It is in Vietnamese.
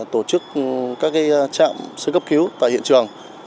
tổ chức các trạm sơ cấp cứu tại hiện trường